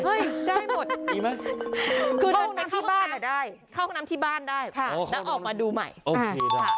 เฮ้ยได้หมดคือเดินไปเข้าห้องน้ำที่บ้านก็ได้นักออกมาดูใหม่โอเคครับ